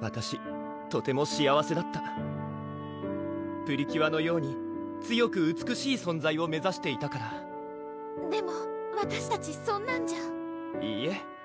わたしとても幸せだったプリキュアのように強く美しい存在を目指していたからでもわたしたちそんなんじゃいいえ